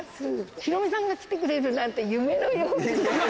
ヒロミさんが来てくれるなんて夢のよう。